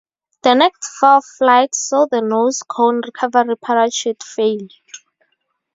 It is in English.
The next four flights saw the nose cone recovery parachutes fail.